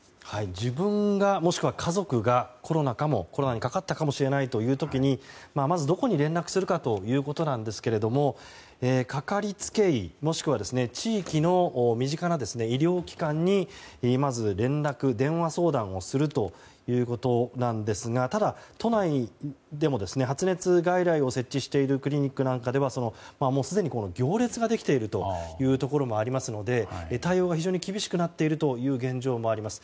自分がもしくは家族がコロナにかかったかもしれない時にまずどこに連絡するかということですがかかりつけ医もしくは地域の身近な医療機関にまずは連絡電話相談をすることですがただ都内でも発熱外来を設置しているクリニックなんかではすでに行列ができているところもありますので対応が非常に厳しくなっている現状もあります。